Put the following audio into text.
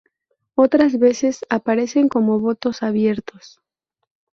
Otras veces aparecen como botos abiertos.